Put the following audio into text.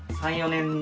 ３４年。